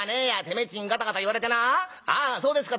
めえっちにガタガタ言われてな『ああそうですか』